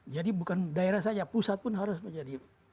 jadi bukan daerah saja pusat pun harus menjadi